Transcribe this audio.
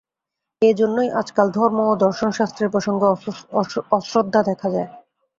এইজন্যই আজকাল ধর্ম ও দর্শনশাস্ত্রের প্রসঙ্গে অশ্রদ্ধা দেখা যায়।